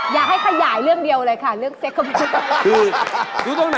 อย่าให้ขยายเรื่องเดียวเลยค่ะเรื่องเซ็ก